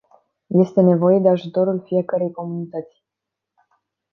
Este nevoie de ajutorul fiecărei comunități.